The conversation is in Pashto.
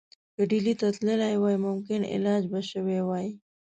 که ډهلي ته تللی وای ممکن علاج به شوی وای.